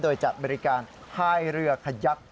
โดยจัดบริการพายเรือขยัก